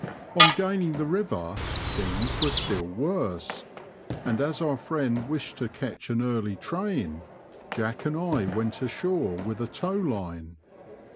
On gaining the river, things were still worse, and as our friend wished to catch an (Barly train. Jack and I went ashore with a tow line.